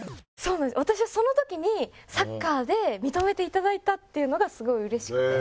私はその時にサッカーで認めて頂いたっていうのがすごい嬉しくて。